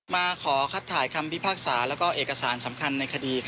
มาขอคัดถ่ายคำพิพากษาและเอกสารสำคัญในคดี